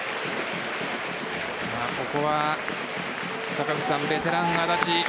ここはベテラン・安達。